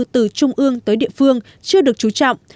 từ trung ương tới địa phương chưa được chú trọng